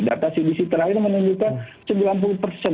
data cdc terakhir menunjukkan